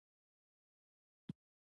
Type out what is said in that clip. دریم ډاکټر له عکسو څخه یو عکس ورته ورکړ.